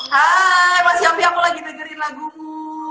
hai mas yopi aku lagi dengerin lagu mu